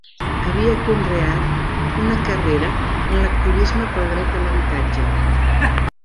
Havia conreat una carrera en l’activisme pel dret a l’habitatge.